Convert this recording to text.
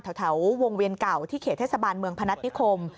แถววงเวียนเก่าที่เขตเทศบาลเมืองพนัฐนิคม